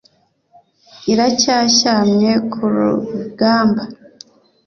Iracyashyamye ku rugamba